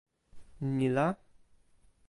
ni la?